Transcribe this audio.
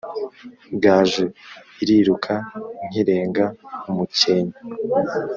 Gaju iriruka nkirenga-Umukenke.